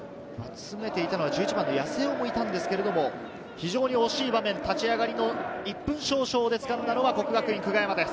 詰めて行った１１番の八瀬尾もいたんですが、非常に惜しい場面、立ち上がりの１分少々でつかんだのは國學院久我山です。